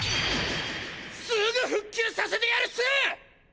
すぐ復旧させてやるっす！